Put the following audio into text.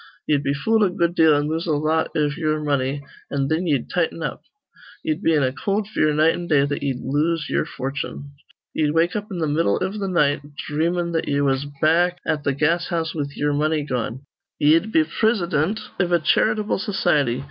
Ye'd be fooled a good deal an' lose a lot iv ye'er money, an' thin ye'd tighten up. Ye'd be in a cold fear night an' day that ye'd lose ye'er fortune. Ye'd wake up in th' middle iv th' night, dhreamin' that ye was back at th' gas house with ye'er money gone. Ye'd be prisidint iv a charitable society.